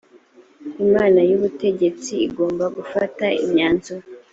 inama y ‘ubutegetsi igomba gufata imyanzuro.